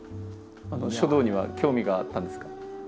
書道には興味があったんですか？